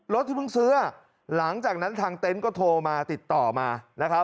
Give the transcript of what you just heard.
ที่เพิ่งซื้อหลังจากนั้นทางเต็นต์ก็โทรมาติดต่อมานะครับ